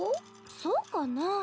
そうかな。